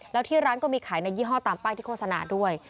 แล้วที่ร้านก็มีขายในยี่ห้อตามป้ายที่โฆษณาด้วย